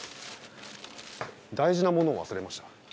大事なものを忘れました。